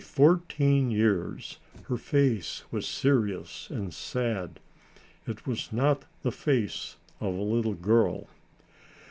At fourteen years her face was serious and sad. It was not the face of a little girl.